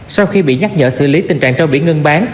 sau khi bị nhắc nhở xử lý tình trạng trâu bị ngưng bán